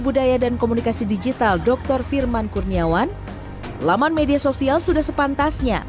budaya dan komunikasi digital dokter firman kurniawan laman media sosial sudah sepantasnya